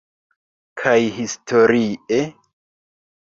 Kaj historie?